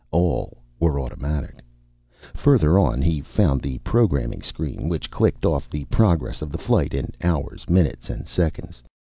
All were automatic. Further on he found the programming screen, which clicked off the progress of the flight in hours, minutes, and seconds.